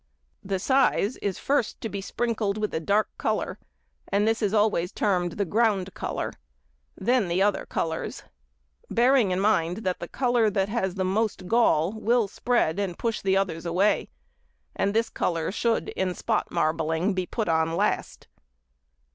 _—The size is first to be sprinkled with a |72| dark colour, and this is always termed the "ground colour," then the other colours; bearing in mind that the colour that has the most gall will spread or push the others away, and this colour should in spot marbling be put on last.